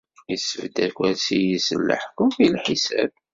Isbedd akersi-is n leḥkem i lḥisab.